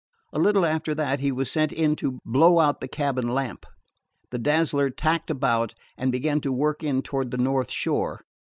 A little after that he was sent in to blow out the cabin lamp. The Dazzler tacked about and began to work in toward the north shore.